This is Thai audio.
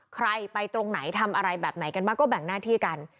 ใครไปตรงไหนทำอะไรแบบไหนกันบ้างก็แบ่งหน้าที่กัน